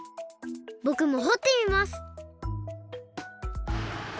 ぼくもほってみます！